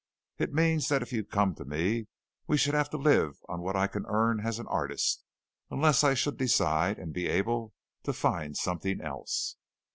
It means that if you come to me, we should have to live on what I can earn as an artist unless I should decide and be able to find something else.